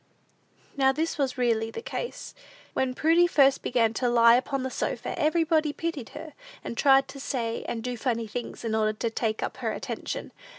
Now this was really the case. When Prudy first began to lie upon the sofa, everybody pitied her, and tried to say and do funny things, in order to take up her attention.